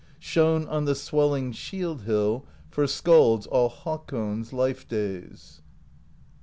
Shone on the swelling shield hill For skalds all Hakon's life days.